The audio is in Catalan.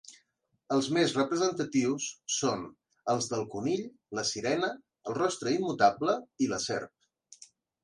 Els més representatius són els del conill, la sirena, el rostre immutable i la serp.